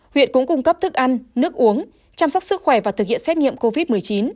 huyện cũng cung cấp thức ăn nước uống chăm sóc sức khỏe và thực hiện xét nghiệm covid một mươi chín